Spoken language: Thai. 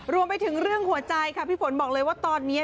รวมไปถึงเรื่องหัวใจค่ะพี่ฝนบอกเลยว่าตอนนี้